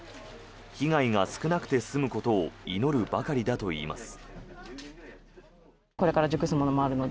被害が少なくて済むことを祈るばかりだといいます。